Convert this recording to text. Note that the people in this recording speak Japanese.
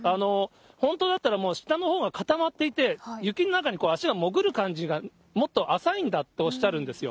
本当だったら、もう下のほうは固まっていて、雪の中に足が潜る感じがもっと浅いんだとおっしゃるんですよ。